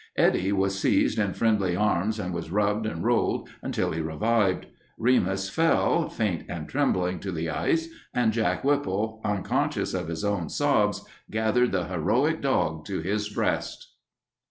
Eddie was seized in friendly arms and was rubbed and rolled until he revived. Remus fell, faint and trembling, to the ice, and Jack Whipple, unconscious of his own sobs, gathered the heroic dog to his breast.